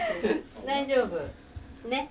大丈夫。ね。